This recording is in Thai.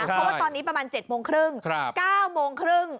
เพราะว่าตอนนี้ประมาณ๗โมงครึ่ง๙โมงครึ่ง